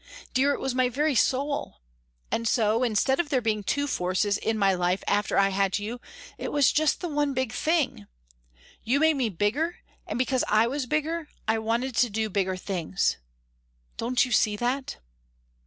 Dear, it was my very soul. And so, instead of there being two forces in my life after I had you, it was just the one big thing. You made me bigger and because I was bigger I wanted to do bigger things. Don't you see that?"